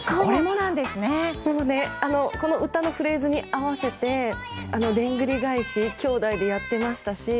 この歌のフレーズに合わせてでんぐり返し兄弟でやっていましたし。